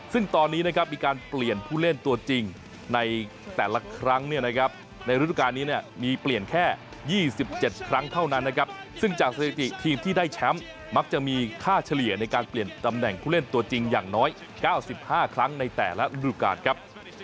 ซึ่งตอนนี้นะครับมีการเปลี่ยนผู้เล่นตัวจริงในแต่ละครั้งเนี่ยนะครับในฤดูการนี้เนี่ยมีเปลี่ยนแค่๒๗ครั้งเท่านั้นนะครับซึ่งจากสถิติทีมที่ได้แชมป์มักจะมีค่าเฉลี่ยในการเปลี่ยนตำแหน่งผู้เล่นตัวจริงอย่างน้อย๙๕ครั้งในแต่ละฤดูการครับ